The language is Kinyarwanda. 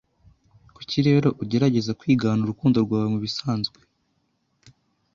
Kuki rero ugerageza 'kwigana urukundo rwawe mubisanzwe